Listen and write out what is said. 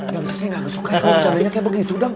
yang sih saya gak suka kalau bercadanya kayak begitu